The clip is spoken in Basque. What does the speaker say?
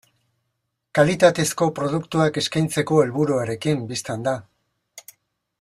Kalitatezko produktuak eskaintzeko helburuarekin, bistan da.